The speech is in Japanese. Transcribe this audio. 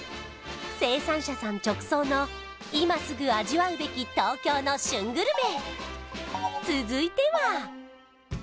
生産者さん直送の今すぐ味わうべき東京の旬グルメ！